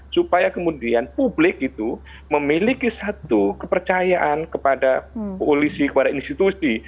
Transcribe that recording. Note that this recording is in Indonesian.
supaya kemudian publik itu memiliki satu kepercayaan kepada polisi kepada institusi